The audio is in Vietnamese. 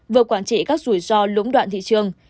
vừa quản trị các rủi ro lũng đoạn thị trường